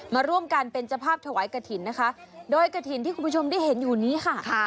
มาร่วมกันเป็นเจ้าภาพถวายกระถิ่นนะคะโดยกระถิ่นที่คุณผู้ชมได้เห็นอยู่นี้ค่ะ